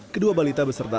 kedua balita beserta